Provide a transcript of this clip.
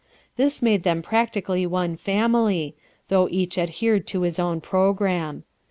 This made them practically one family, though each adhered to his own programme.